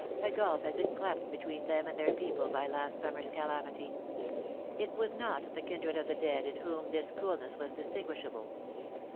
A gulf had been cleft between them and then? people by last summer's calamity. It was not the kindred of the dead in whom this coolness was distinguishable.